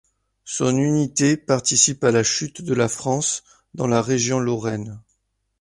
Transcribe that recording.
Son unité participe à la chute de la France dans la région Lorraine.